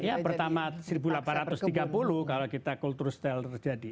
ya pertama seribu delapan ratus tiga puluh kalau kita kultur stel terjadi